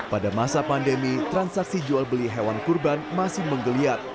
pada masa pandemi transaksi jual beli hewan kurban masih menggeliat